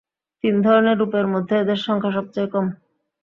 তিন ধরনের রূপের মধ্যে এদের সংখ্যা সবচেয়ে কম।